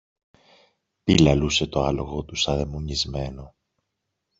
Πιλαλούσε το άλογο του σα δαιμονισμένο.